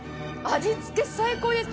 味付け最高です。